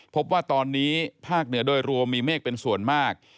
พบว่าตอนนี้ภาคเหนือโดยรวมมีเมฆเป็นส่วนมาก